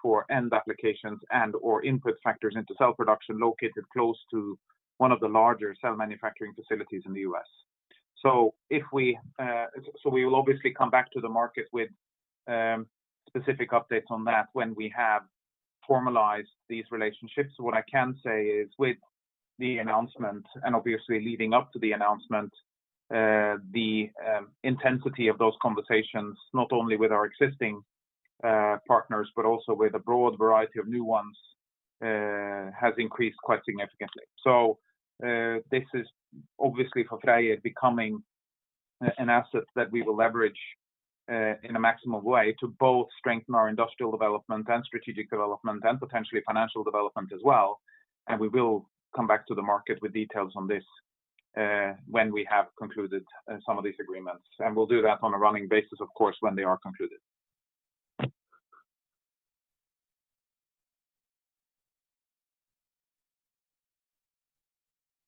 for end applications and/or input factors into cell production located close to one of the larger cell manufacturing facilities in the U.S. We will obviously come back to the market with specific updates on that when we have formalized these relationships. What I can say is, with the announcement and obviously leading up to the announcement, the intensity of those conversations, not only with our existing partners, but also with a broad variety of new ones, has increased quite significantly. This is obviously for FREYR becoming an asset that we will leverage in a maximum way to both strengthen our industrial development and strategic development, and potentially financial development as well. We will come back to the market with details on this when we have concluded some of these agreements. We'll do that on a rolling basis, of course, when they are concluded.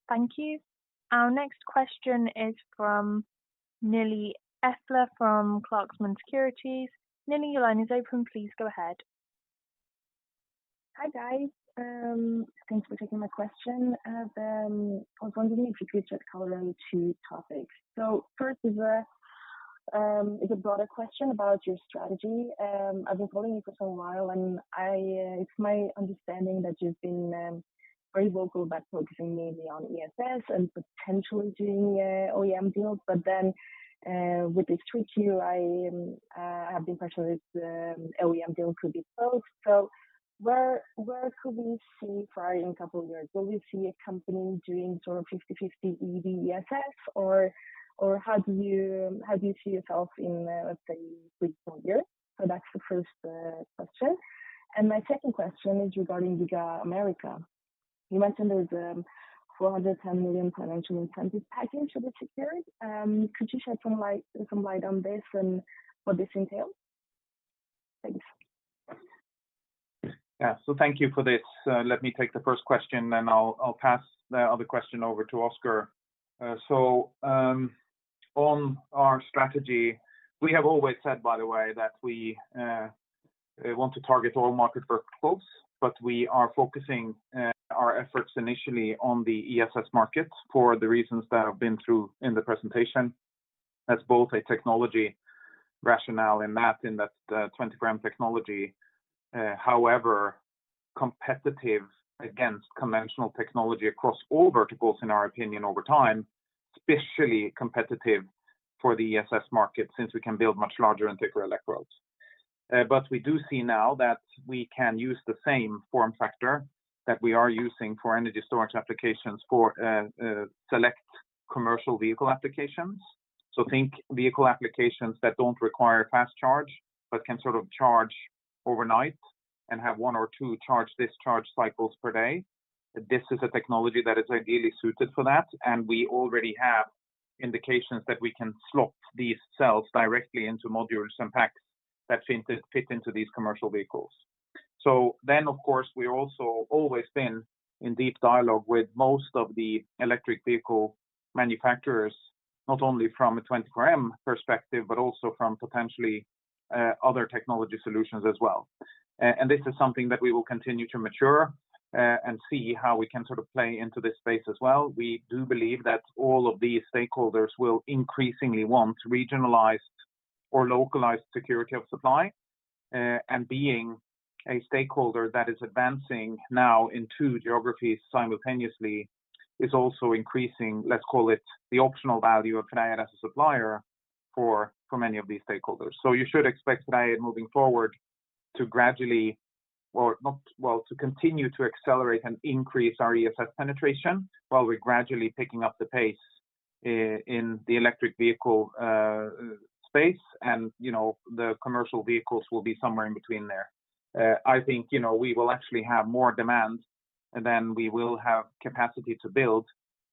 Thank you. Our next question is from Nili Efler from Clarksons Securities. Nili, your line is open. Please go ahead. Hi, guys. Thanks for taking my question. I was wondering if you could shed color on two topics. First is a broader question about your strategy. I've been following you for some while, and it's my understanding that you've been very vocal about focusing mainly on ESS and potentially doing OEM deals. With this 3Q, I have the impression this OEM deal could be close. Where could we see FREYR in a couple years? Will we see a company doing sort of 50/50 EV/ESS or how do you see yourself in, let's say three, four years? That's the first question. My second question is regarding Giga America. You mentioned there's $410 million financial incentive package that was secured. Could you shed some light on this and what this entails? Thanks. Yeah. Thank you for this. Let me take the first question then I'll pass the other question over to Oscar. On our strategy, we have always said, by the way, that we want to target all market verticals, but we are focusing our efforts initially on the ESS market for the reasons that I've been through in the presentation. That's both a technology rationale in that the 24M technology, however competitive against conventional technology across all verticals, in our opinion, over time, especially competitive for the ESS market since we can build much larger and thicker electrodes. We do see now that we can use the same form factor that we are using for energy storage applications for select commercial vehicle applications. Think vehicle applications that don't require fast charge, but can sort of charge overnight and have one or two charge discharge cycles per day. This is a technology that is ideally suited for that, and we already have indications that we can slot these cells directly into modules and packs that fit into these commercial vehicles. Of course, we're also always been in deep dialogue with most of the electric vehicle manufacturers, not only from a 24M perspective, but also from potentially other technology solutions as well. And this is something that we will continue to mature, and see how we can sort of play into this space as well. We do believe that all of these stakeholders will increasingly want regionalized or localized security of supply. Being a stakeholder that is advancing now in two geographies simultaneously is also increasing, let's call it the option value of FREYR as a supplier for many of these stakeholders. You should expect FREYR moving forward to continue to accelerate and increase our ESS penetration while we're gradually picking up the pace in the electric vehicle space. You know, the commercial vehicles will be somewhere in between there. I think, you know, we will actually have more demand than we will have capacity to build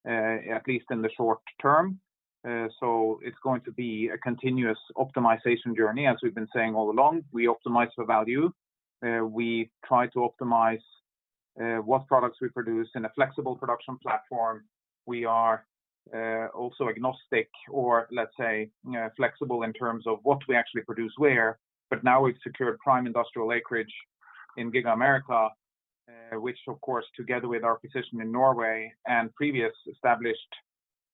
at least in the short-term. It's going to be a continuous optimization journey, as we've been saying all along. We optimize for value. We try to optimize what products we produce in a flexible production platform. We are also agnostic or let's say flexible in terms of what we actually produce where. Now we've secured prime industrial acreage in Giga America, which of course, together with our position in Norway and previously established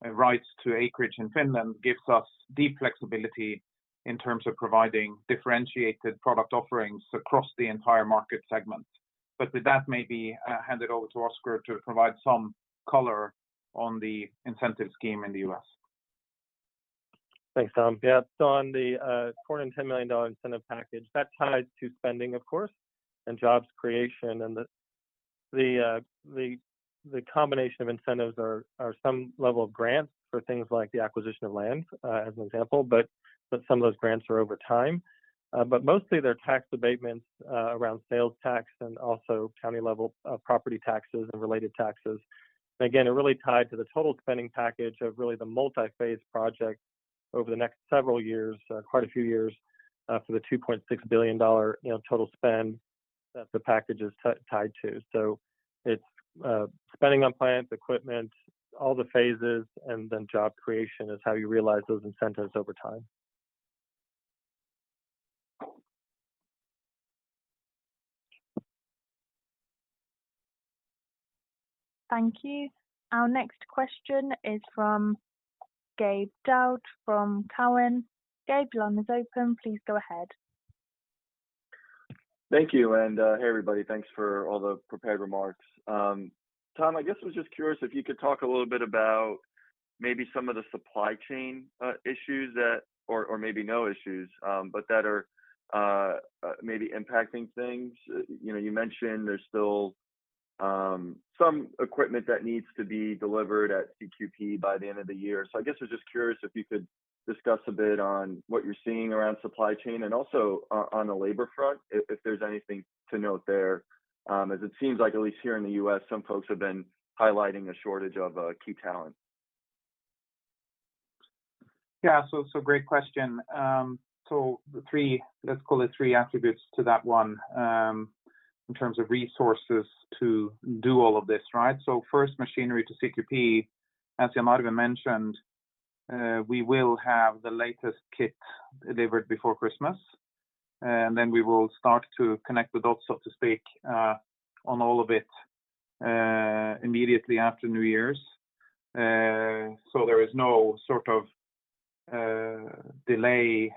rights to acreage in Finland, gives us deep flexibility in terms of providing differentiated product offerings across the entire market segment. With that, maybe hand it over to Oscar to provide some color on the incentive scheme in the U.S. Thanks, Tom. Yeah. On the $410 million incentive package, that's tied to spending, of course, and jobs creation. The combination of incentives are some level of grants for things like the acquisition of land, as an example. But some of those grants are over time. But mostly they're tax abatements around sales tax and also county level property taxes and related taxes. Again, they're really tied to the total spending package of really the multi-phase project over the next several years, quite a few years, for the $2.6 billion, you know, total spend that the package is tied to. It's spending on plants, equipment, all the phases, and then job creation is how you realize those incentives over time. Thank you. Our next question is from Gabe Daoud from Cowen. Gabe, your line is open. Please go ahead. Thank you. Hey, everybody. Thanks for all the prepared remarks. Tom, I guess I was just curious if you could talk a little bit about maybe some of the supply chain issues, or maybe no issues, but that are maybe impacting things. You know, you mentioned there's still some equipment that needs to be delivered at CQP by the end of the year. I guess I was just curious if you could discuss a bit on what you're seeing around supply chain and also on the labor front, if there's anything to note there. As it seems like at least here in the U.S., some folks have been highlighting a shortage of key talent. Great question. The three—let's call it three attributes to that one, in terms of resources to do all of this, right? First, machinery to CQP. As Jan Arve mentioned, we will have the latest kit delivered before Christmas, and then we will start to connect the dots, so to speak, on all of it immediately after New Year's. There is no sort of delay,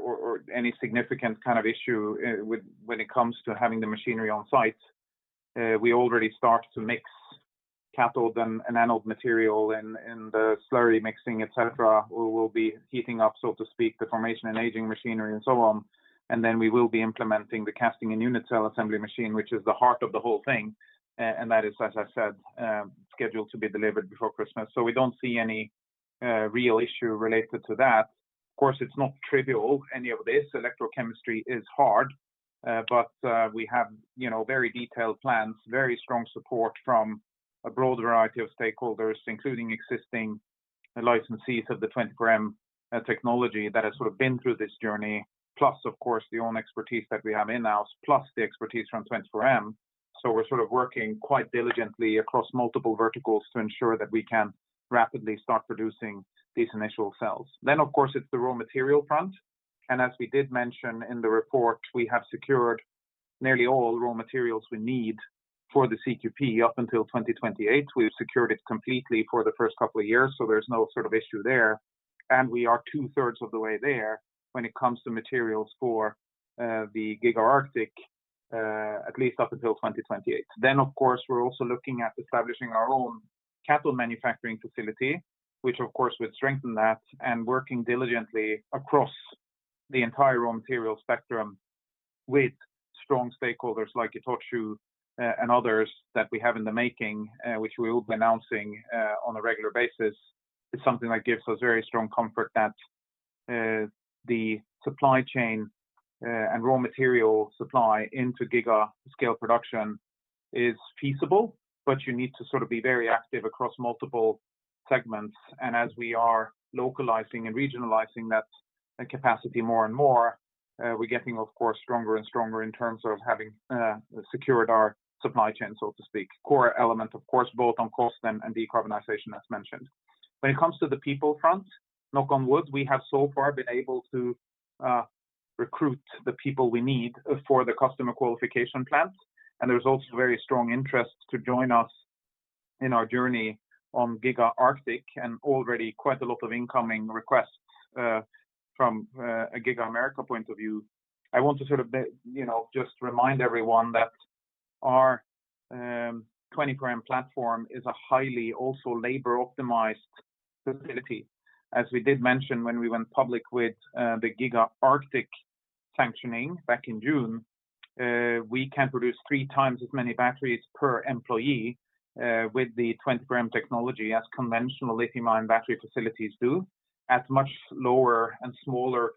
or any significant kind of issue when it comes to having the machinery on site. We already start to mix cathode and anode material and the slurry mixing, et cetera. We will be heating up, so to speak, the formation and aging machinery and so on. Then we will be implementing the casting and unit cell assembly machine, which is the heart of the whole thing. That is, as I said, scheduled to be delivered before Christmas. We don't see any real issue related to that. Of course, it's not trivial, any of this. Electrochemistry is hard. We have, you know, very detailed plans, very strong support from a broad variety of stakeholders, including existing licensees of the 24M technology that has sort of been through this journey. Plus, of course, our own expertise that we have in-house, plus the expertise from 24M. We're sort of working quite diligently across multiple verticals to ensure that we can rapidly start producing these initial cells. Of course, it's the raw material front. As we did mention in the report, we have secured nearly all raw materials we need for the CQP up until 2028. We've secured it completely for the first couple of years, so there's no sort of issue there. We are two-thirds of the way there when it comes to materials for the Giga Arctic, at least up until 2028. Of course, we're also looking at establishing our own cathode manufacturing facility, which of course would strengthen that, and working diligently across the entire raw material spectrum with strong stakeholders like ITOCHU and others that we have in the making, which we will be announcing on a regular basis, is something that gives us very strong comfort that the supply chain and raw material supply into giga scale production is feasible. You need to sort of be very active across multiple segments. As we are localizing and regionalizing that capacity more and more, we're getting, of course, stronger and stronger in terms of having secured our supply chain, so to speak. Core element, of course, both on cost and decarbonization as mentioned. When it comes to the people front, knock on wood, we have so far been able to recruit the people we need for the customer qualification plans. There's also very strong interest to join us in our journey on Giga Arctic and already quite a lot of incoming requests from a Giga America point of view. I want to sort of, you know, just remind everyone that our 24M platform is a highly also labor-optimized facility. As we did mention when we went public with the Giga Arctic sanctioning back in June, we can produce three times as many batteries per employee with the 24M technology as conventional lithium-ion battery facilities do at much lower and smaller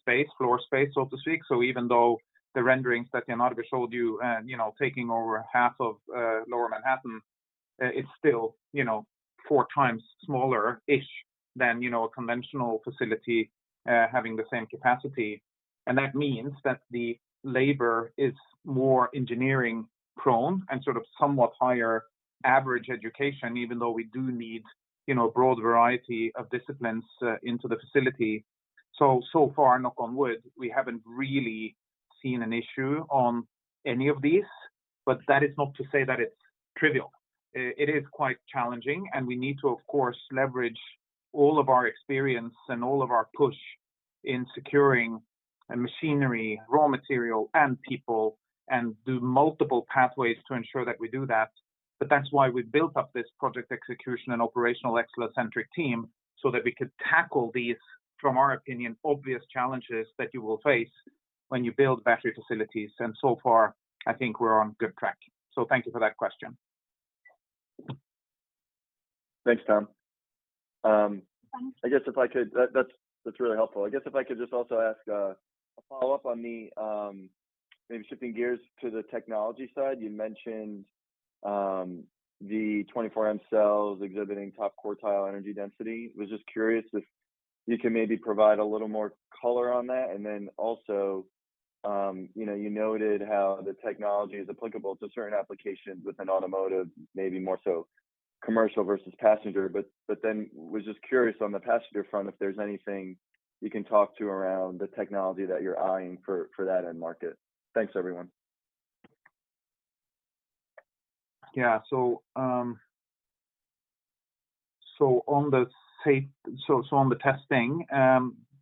space, floor space, so to speak. Even though the renderings that Jan Arve showed you know, taking over half of lower Manhattan, it's still, you know, four times smaller-ish than, you know, a conventional facility having the same capacity. That means that the labor is more engineering-prone and sort of somewhat higher average education, even though we do need, you know, a broad variety of disciplines into the facility. So far, knock on wood, we haven't really seen an issue on any of these. That is not to say that it's trivial. It is quite challenging, and we need to, of course, leverage all of our experience and all of our push in securing machinery, raw material, and people, and do multiple pathways to ensure that we do that. That's why we built up this project execution and operational excellence centric team, so that we could tackle these, from our opinion, obvious challenges that you will face when you build battery facilities. So far, I think we're on good track. Thank you for that question. Thanks, Tom. That's really helpful. I guess if I could just also ask a follow-up on maybe shifting gears to the technology side. You mentioned the 24M cells exhibiting top quartile energy density. Was just curious if you can maybe provide a little more color on that. And then also, you know, you noted how the technology is applicable to certain applications within automotive, maybe more so commercial versus passenger. Then was just curious on the passenger front, if there's anything you can talk to around the technology that you're eyeing for that end market. Thanks, everyone. On the testing,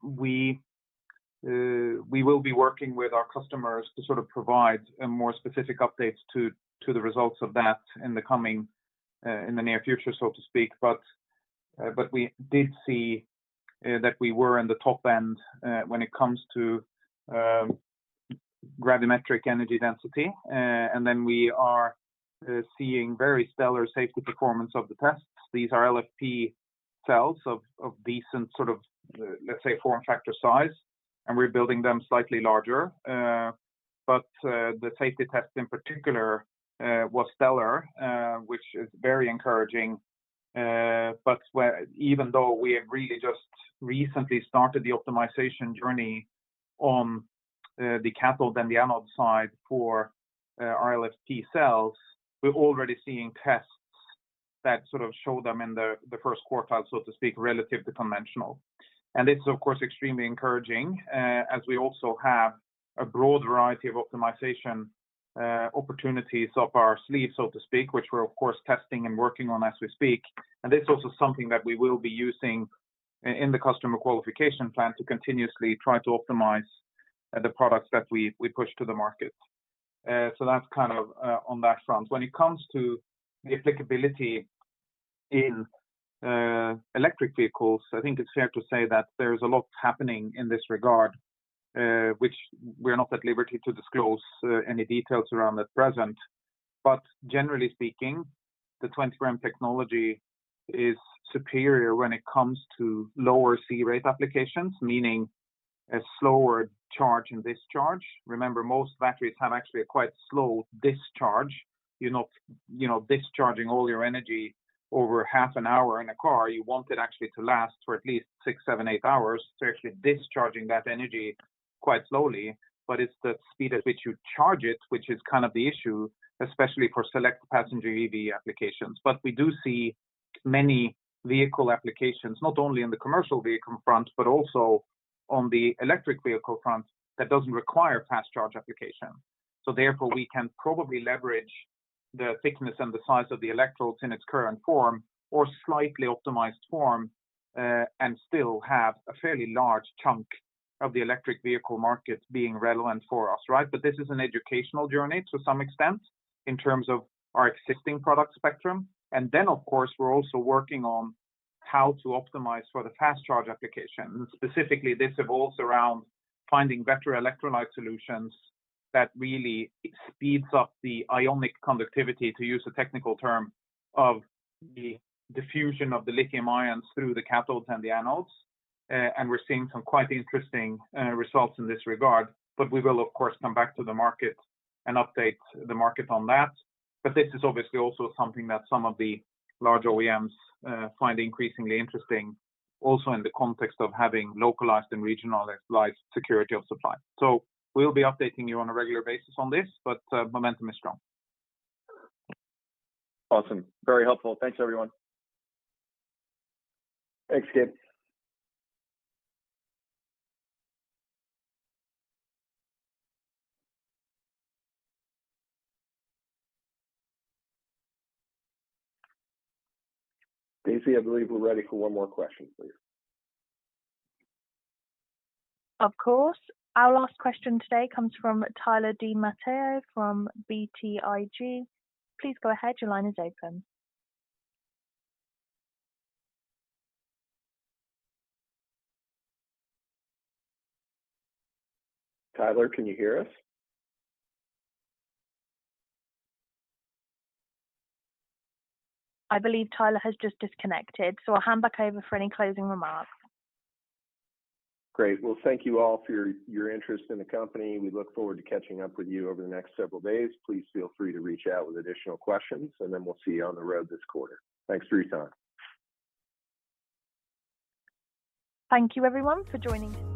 we will be working with our customers to sort of provide more specific updates to the results of that in the near future, so to speak. We did see that we were in the top end when it comes to gravimetric energy density. We are seeing very stellar safety performance of the tests. These are LFP cells of decent sort of let's say form factor size, and we're building them slightly larger. The safety test in particular was stellar, which is very encouraging. Even though we have really just recently started the optimization journey on the cathode and the anode side for LFP cells, we're already seeing tests that sort of show them in the first quartile, so to speak, relative to conventional. It's of course extremely encouraging, as we also have a broad variety of optimization opportunities up our sleeve, so to speak, which we're of course testing and working on as we speak. It's also something that we will be using in the customer qualification plan to continuously try to optimize the products that we push to the market. That's kind of on that front. When it comes to the applicability in electric vehicles, I think it's fair to say that there's a lot happening in this regard, which we're not at liberty to disclose any details around at present. Generally speaking, the 24M technology is superior when it comes to lower C-rate applications, meaning a slower charge and discharge. Remember, most batteries have actually a quite slow discharge. You're not, you know, discharging all your energy over half an hour in a car. You want it actually to last for at least six, seven, eight hours. You're actually discharging that energy quite slowly, but it's the speed at which you charge it, which is kind of the issue, especially for select passenger EV applications. We do see many vehicle applications, not only in the commercial vehicle front, but also on the electric vehicle front that doesn't require fast charge application. Therefore, we can probably leverage the thickness and the size of the electrodes in its current form or slightly optimized form, and still have a fairly large chunk of the electric vehicle market being relevant for us, right? This is an educational journey to some extent in terms of our existing product spectrum. Then of course, we're also working on how to optimize for the fast charge application. Specifically, this evolves around finding better electrolyte solutions that really speeds up the ionic conductivity, to use a technical term, of the diffusion of the lithium ions through the cathodes and the anodes. We're seeing some quite interesting results in this regard, but we will of course come back to the market and update the market on that. This is obviously also something that some of the large OEMs find increasingly interesting also in the context of having localized and regionalized security of supply. We'll be updating you on a regular basis on this, but momentum is strong. Awesome. Very helpful. Thanks everyone. Thanks, Gabe. Daisy, I believe we're ready for one more question, please. Of course. Our last question today comes from Tyler DiMatteo from BTIG. Please go ahead. Your line is open. Tyler, can you hear us? I believe Tyler has just disconnected, so I'll hand back over for any closing remarks. Great. Well, thank you all for your interest in the company. We look forward to catching up with you over the next several days. Please feel free to reach out with additional questions, and then we'll see you on the road this quarter. Thanks for your time. Thank you everyone for joining us.